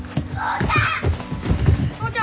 お父ちゃん！